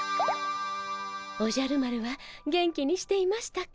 おじゃる丸は元気にしていましたか？